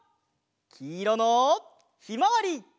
きいろのひまわり！